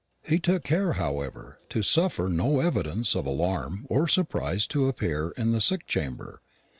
He took care, however, to suffer no evidence of alarm or surprise to appear in the sick chamber.